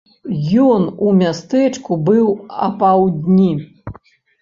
Ён у мястэчку быў апаўдні.